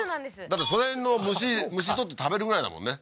だってその辺の虫取って食べるぐらいだもんね